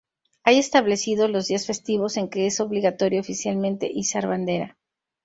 Hay establecidos los días festivos en que es obligatorio oficialmente izar bandera.